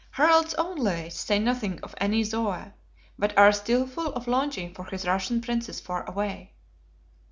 Harald's own lays say nothing of any Zoe, but are still full of longing for his Russian Princess far away.